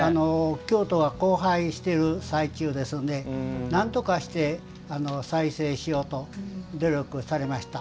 京都が荒廃している最中ですのでなんとかして、再生しようと努力されました。